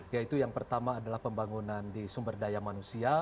yaitu yang pertama adalah pembangunan di sumber daya manusia